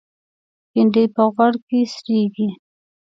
بېنډۍ په غوړ کې سرېږي